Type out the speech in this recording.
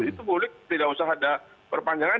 itu publik tidak usah ada perpanjangan